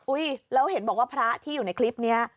แล้วเห็นบอกว่าพระที่อยู่ในคลิปนี้